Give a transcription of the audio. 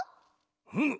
うむ。